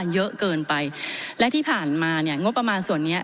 เยอะเกินไปและที่ผ่านมาเนี่ยงบประมาณส่วนเนี้ย